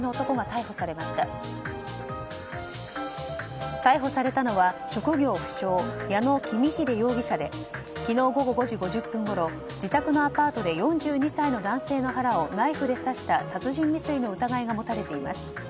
逮捕されたのは職業不詳、矢野公英容疑者で昨日午後５時５０分ごろ自宅のアパートで４２歳の男性の腹をナイフで刺した殺人未遂の疑いが持たれています。